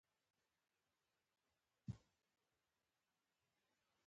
بدبختي ده، چي عقل او پوهه تربیه کوي.